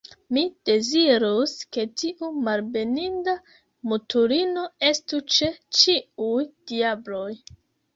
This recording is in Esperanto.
Mi dezirus, ke tiu malbeninda mutulino estu ĉe ĉiuj diabloj!